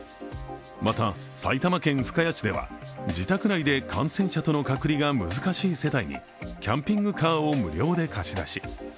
また、埼玉県深谷市では、自宅内で感染者との隔離が難しい世帯にキャンピングカーを無料で貸し出し。